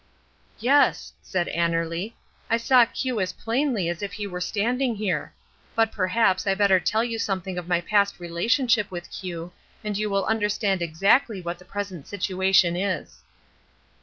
"Yes," said Annerly, "I saw Q as plainly as if he were standing here. But perhaps I had better tell you something of my past relationship with Q, and you will understand exactly what the present situation is."